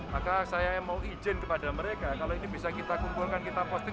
maka saya mau izin kepada mereka kalau ini bisa kita kumpulkan kita posting